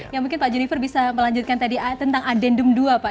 ya mungkin pak junifer bisa melanjutkan tadi tentang adendum dua pak